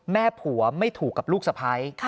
แม่ผัวไม่ถูกกับลูกสะพ้าย